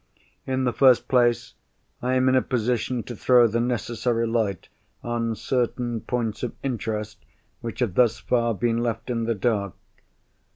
In the first place, I am in a position to throw the necessary light on certain points of interest which have thus far been left in the dark.